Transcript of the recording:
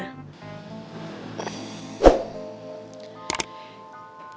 aduh tadi kok boy gak ngomong ya sama gua kalo misalnya dia lagi sama cewek ini